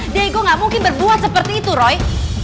diego gak mungkin berbuat seperti itu roy